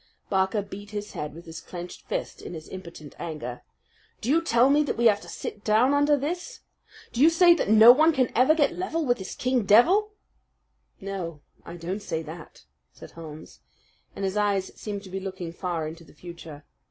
Barker beat his head with his clenched fist in his impotent anger. "Do not tell me that we have to sit down under this? Do you say that no one can ever get level with this king devil?" "No, I don't say that," said Holmes, and his eyes seemed to be looking far into the future.